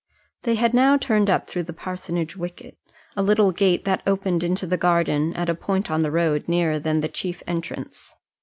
They had now turned up through the parsonage wicket, a little gate that opened into the garden at a point on the road nearer than the chief entrance.